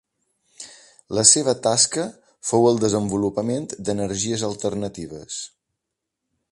La seva tasca fou el desenvolupament d'energies alternatives.